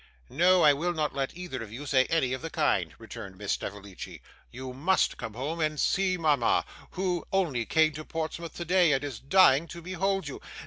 'No, I will not let either of you say anything of the kind,' returned Miss Snevellicci. 'You must come home and see mama, who only came to Portsmouth today, and is dying to behold you.